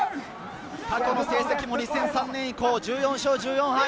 過去の成績も２００３年以降、１４勝１４敗。